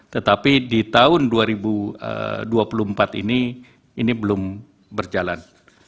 tetapi di tahun dua ribu dua puluh empat ini ini belum berjalan